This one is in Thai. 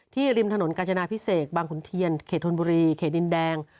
ริมถนนกาญจนาพิเศษบางขุนเทียนเขตธนบุรีเขตดินแดง